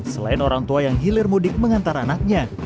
selain orang tua yang hilir mudik mengantar anaknya